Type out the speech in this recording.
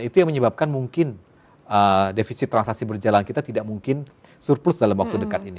itu yang menyebabkan mungkin defisit transaksi berjalan kita tidak mungkin surplus dalam waktu dekat ini